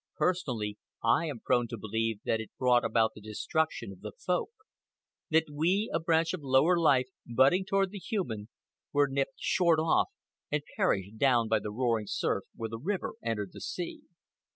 Personally, I am prone to believe that it brought about the destruction of the Folk; that we, a branch of lower life budding toward the human, were nipped short off and perished down by the roaring surf where the river entered the sea.